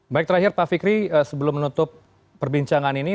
baik terakhir pak fikri sebelum menutup perbincangan ini